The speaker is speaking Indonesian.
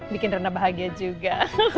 bikin rena bahagia juga